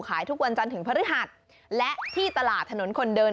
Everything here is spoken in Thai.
ขายทุกวันจันทร์ถึงพฤหัสและที่ตลาดถนนคนเดิน